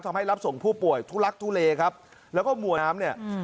ทำให้รับส่งผู้ป่วยทุลักษณ์ทุเลครับแล้วก็หมวนน้ำเนี้ย